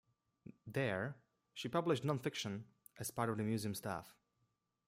There, she published non-fiction as part of the museum staff.